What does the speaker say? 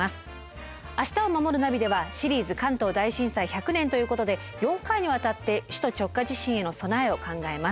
「明日をまもるナビ」では「シリーズ関東大震災１００年」ということで４回にわたって首都直下地震への備えを考えます。